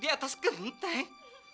di atas genteng